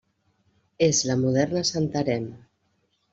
És la moderna Santarém.